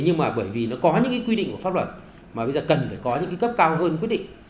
nhưng mà bởi vì nó có những cái quy định của pháp luật mà bây giờ cần phải có những cái cấp cao hơn quyết định